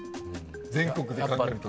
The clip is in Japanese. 全国で考えると。